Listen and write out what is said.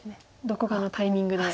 どこかのタイミングで。